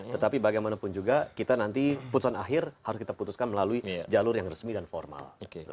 tetapi bagaimanapun juga kita nanti putusan akhir harus kita putuskan melalui jalur yang resmi dan formal